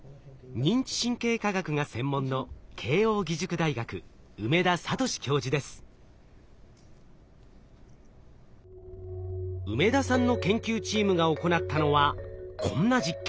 認知神経科学が専門の梅田さんの研究チームが行ったのはこんな実験。